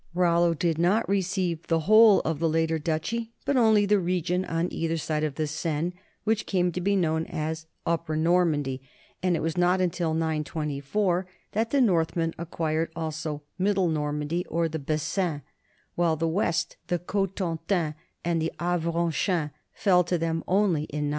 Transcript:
Rollo did not receive the whole of the later duchy, but only the region on either side of the Seine which came to be known as Upper Normandy, and it was not till 924 that the North men acquired also middle Normandy, or the Bessin, while the west, the Cotentin and the Avranchin, fell to them only in 933.